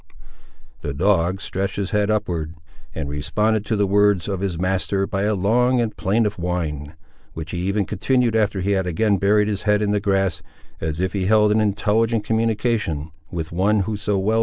The dog stretched his head upward, and responded to the words of his master by a long and plaintive whine, which he even continued after he had again buried his head in the grass, as if he held an intelligent communication with one who so well knew how to interpret dumb discourse.